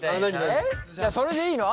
それでいいの？